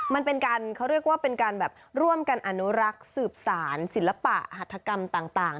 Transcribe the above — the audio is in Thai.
มันเป็นการเขาเรียกว่าเป็นการแบบร่วมกันอนุรักษ์สืบสารศิลปะหัฐกรรมต่าง